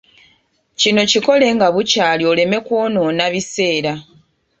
Kino kikole nga bukyali oleme kwonoona biseera.